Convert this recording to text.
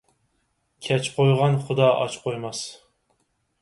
كەچ قويغان خۇدا ئاچ قويماس.